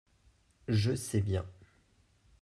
Je sais bien.